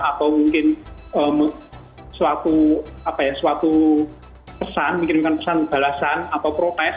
atau mungkin suatu pesan mengirimkan pesan balasan atau protes